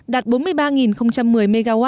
đạt bốn mươi ba một mươi mw